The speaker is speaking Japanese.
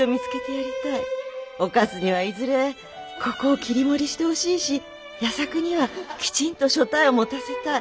おかつにはいずれここを切り盛りしてほしいし矢作にはきちんと所帯を持たせたい。